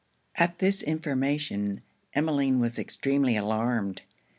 At this information, Emmeline was extremely alarmed.